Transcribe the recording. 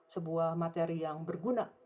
sebuah materi yang berguna